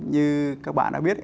như các bạn đã biết